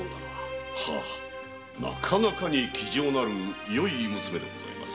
なかなかに気丈なよき娘にございます。